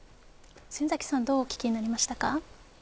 先崎さんどうお聞きになりましたか。